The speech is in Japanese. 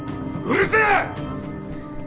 うるせえっ！！